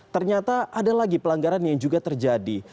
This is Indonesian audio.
ternyata ada lagi pelanggaran yang juga terjadi